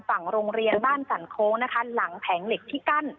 ฝั่งโรงเรียนบ้านสันโค้งนะคะหลังแผงเหล็กที่กั้น